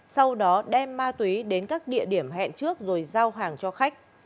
sau đó đem ma túy đến các địa điểm hẹn trước rồi giao hàng cho khách